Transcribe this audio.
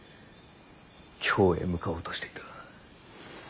京へ向かおうとしていた。